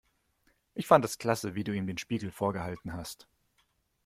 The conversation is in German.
Ich fand es klasse, wie du ihm den Spiegel vorgehalten hast.